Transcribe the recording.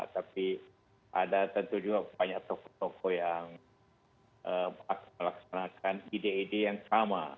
tapi ada tentu juga banyak tokoh tokoh yang akan melaksanakan ide ide yang sama